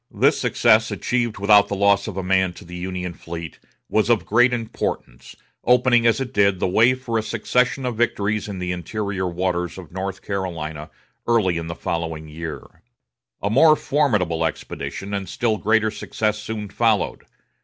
This success, achieved without the loss of a man to the Union fleet, was of great importance, opening, as it did, the way for a succession of victories in the interior waters of North Carolina early in the following year. A more formidable expedition, and still greater success soon followed.